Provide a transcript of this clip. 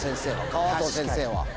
川藤先生は。